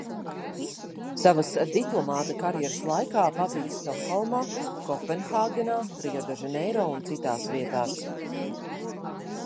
Savas diplomāta karjeras laikā pabijis Stokholmā, Kopenhāgenā, Riodežaneiro un citās vietās.